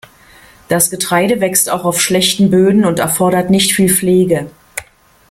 Das Getreide wächst auch auf schlechten Böden und erfordert nicht viel Pflege.